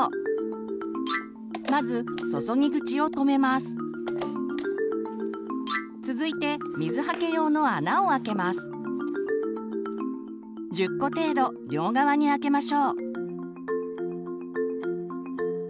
まず続いて１０個程度両側に開けましょう。